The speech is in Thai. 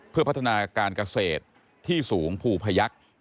เพื่อพัฒนาการเกษตรที่สูงภูพยักษ์